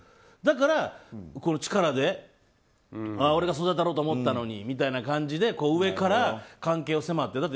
だから力で俺が育てたろうと思ったのにみたいな感じで上から関係を迫って。